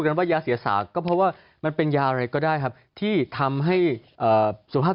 นั้นว่ายาเสียสาก็เพราะว่ามันเป็นยาอะไรก็ได้ครับที่ทำให้สุภาพ